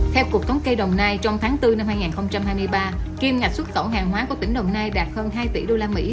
theo cuộc thống kê đồng nai trong tháng bốn hai nghìn hai mươi ba kiêm ngạch xuất khẩu hàng hóa của tỉnh đồng nai đạt hơn hai tỷ usd